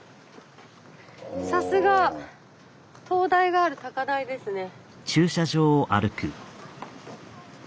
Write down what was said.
さすが灯台がある高台ですね。